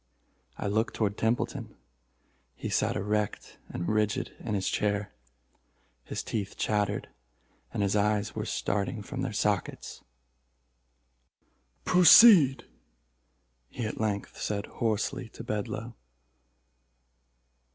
I looked toward Templeton. He sat erect and rigid in his chair—his teeth chattered, and his eyes were starting from their sockets. "Proceed!" he at length said hoarsely to Bedloe.